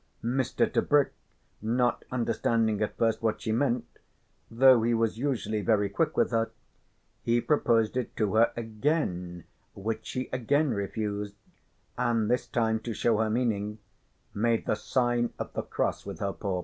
Mr. Tebrick, not understanding at first what she meant, though he was usually very quick with her, he proposed it to her again, which she again refused, and this time, to show her meaning, made the sign of the cross with her paw.